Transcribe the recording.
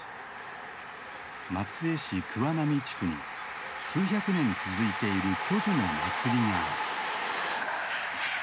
松江市桑並地区に数百年続いている巨樹の祭りがある。